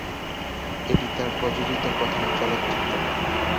এটি তার প্রযোজিত প্রথম চলচ্চিত্র।